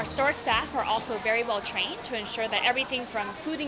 staf perniagaan kami juga sangat terlatih untuk memastikan bahwa segala hal dari makanan